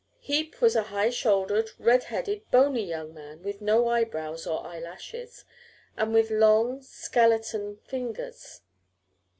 Heep was a high shouldered, red headed, bony young man, with no eyebrows or eyelashes, and with long skeleton fingers.